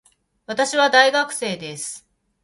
私は大学生です。